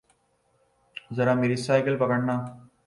ذرامیری cycle پکڑنا